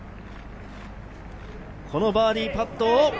このバーディーパットを。